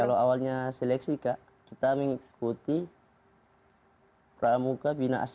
kalau awalnya seleksi kak kita mengikuti pramuka bina astra